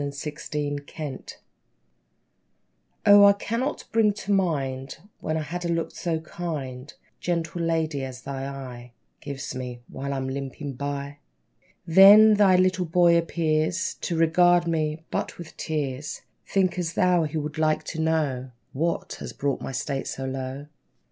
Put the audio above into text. =The Lame House= O, I cannot bring to mind When I've had a look so kind, Gentle lady, as thine eye Gives me, while I'm limping by! Then, thy little boy appears To regard me but with tears. Think'st thou he would like to know What has brought my state so low?